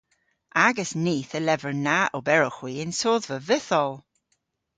Agas nith a lever na oberowgh hwi yn sodhva vytholl.